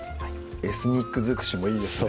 エスニック尽くしもいいですね